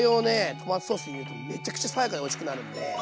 トマトソースに入れるとめちゃくちゃ爽やかでおいしくなるんで。